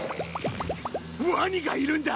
ワニがいるんだ。